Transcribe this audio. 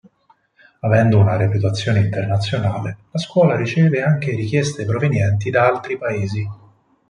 Avendo una reputazione internazionale, la scuola riceve anche richieste provenienti da altri paesi.